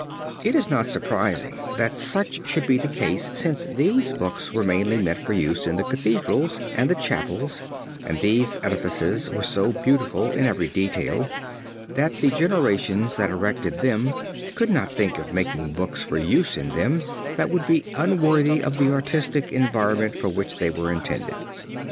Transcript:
It is not surprising that such should be the case since these books were mainly meant for use in the Cathedrals and the chapels, and these edifices were so beautiful in every detail that the generations that erected them could not think of making books for use in them, that would be unworthy of the artistic environment for which they were intended.